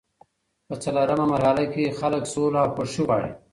په څلورمه مرحله کي خلګ سوله او خوښي غواړي.